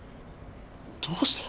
どうして。